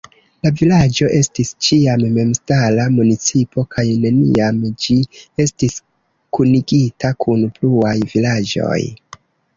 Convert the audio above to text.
La vilaĝo estis ĉiam memstara municipo kaj neniam ĝi estis kunigita kun pluaj vilaĝoj.